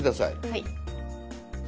はい。